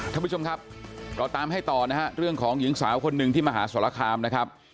ท่านผู้ชมครับเราตามให้ต่อนะฮะเรื่องของหญิงสาวคนหนึ่งที่มหาสรคามนะครับ